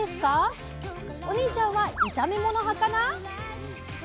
おにいちゃんは炒め物派かな？